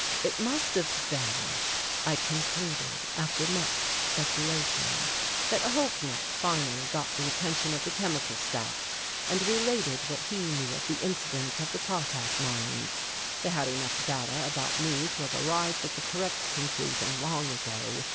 "It must have been," I concluded, after much speculation, "that Holknecht finally got the attention of the Chemical Staff and related what he knew of the incident of the potash mines. They had enough data about me to have arrived at the correct conclusion long ago.